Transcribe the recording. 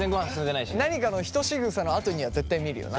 何かのひとしぐさのあとには絶対見るよな。